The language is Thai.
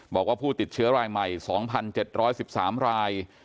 บอกว่าผู้ติดเชื้อรายใหม่๒๗๑๓ราย